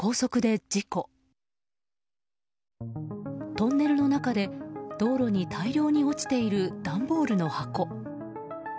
トンネルの中で道路に大量に落ちている段ボールの箱。